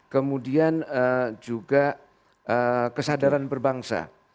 kemudian juga kesadaran berbangsa